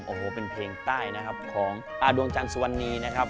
โอ้โหเป็นเพลงใต้นะครับของอาดวงจันทร์สุวรรณีนะครับ